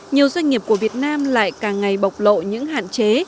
nhiều doanh nghiệp của việt nam lại càng ngày bộc lộ những hạn chế